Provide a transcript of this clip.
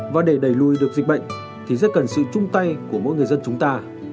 và để đẩy lùi được dịch bệnh thì rất cần sự chung tay của mỗi người dân chúng ta